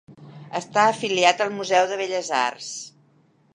Està afiliat al Museu de Belles Arts.